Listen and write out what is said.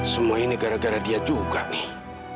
semua ini gara gara dia juga nih